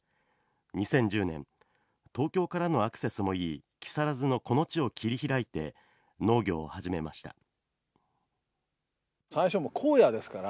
２０１０年、東京からのアクセスもいい、木更津のこの地を切り開いて、農業を始めました。